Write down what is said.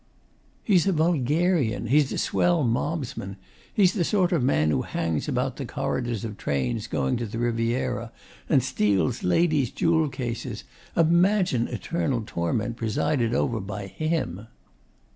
'He's a vulgarian, he's a swell mobsman, he's the sort of man who hangs about the corridors of trains going to the Riviera and steals ladies' jewel cases. Imagine eternal torment presided over by HIM!